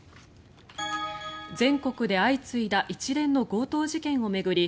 全国で相次いだ一連の強盗事件を巡り